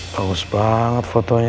bagus banget fotonya